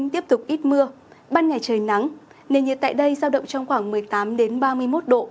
tiếp tục ít mưa ban ngày trời nắng nền nhiệt tại đây sao đậm trong khoảng một mươi tám đến ba mươi một độ